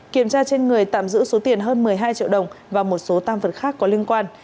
kiểm tra trên người tạm giữ số tiền hơn một mươi hai triệu đồng và một số tam vật khác có liên quan